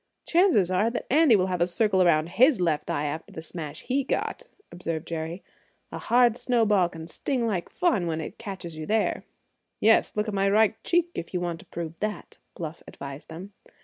"Chances are that Andy will have a circle around his left eye after that smash he got," observed Jerry. "A hard snowball can sting like fun when it catches you there." "Yes, look at my right cheek, if you want to prove that," Bluff advised them.